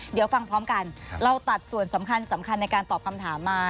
เดี๋ยวฟังพร้อมกันเราตัดส่วนสำคัญสำคัญในการตอบคำถามมา